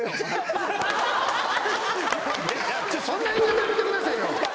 そんな言い方やめてくださいよ！